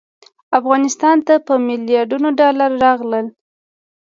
افغانستان ته په میلیاردونو ډالر راغلل.